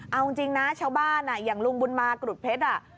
เอาจริงนะชาวบ้านอย่างลุงบุญมากรุดเพชร